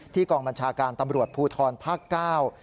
กองบัญชาการตำรวจภูทรภาคเก้า